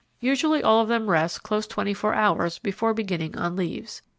Usually all of them rest close twenty four hours before beginning on leaves.